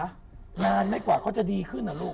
ให้กว่านานไม่กว่าเค้าจะดีขึ้นหรือลูก